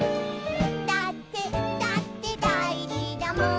「だってだってだいじだもん」